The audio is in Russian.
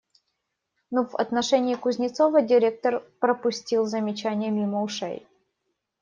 Ну, в отношении Кузнецова директор пропустил замечание мимо ушей.